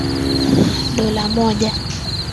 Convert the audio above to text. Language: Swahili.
dola moja